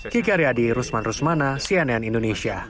kiki aryadi rusman rusmana cnn indonesia